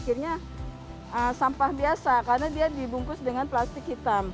akhirnya sampah biasa karena dia dibungkus dengan plastik hitam